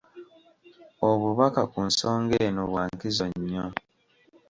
Obubaka ku nsonga eno bwa nkizo nnyo.